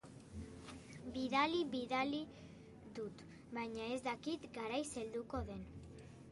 Bidali, bidali dut. Baina ez dakit garaiz helduko den.